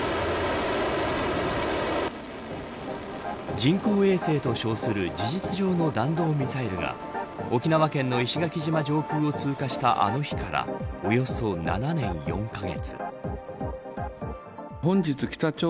人工衛星と称する事実上の弾道ミサイルが沖縄県の石垣島上空を通過したあの日からおよそ７年４カ月。